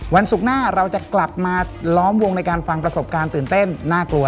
วันศุกร์หน้าเราจะกลับมาล้อมวงในการฟังประสบการณ์ตื่นเต้นน่ากลัว